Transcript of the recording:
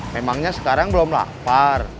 memangnya sekarang belum lapar